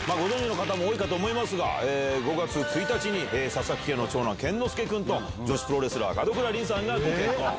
ご存じの方も多いと思いますが、５月１日に佐々木家の長男、健之介君と、女子プロレスラー、門倉凛さんがご結婚。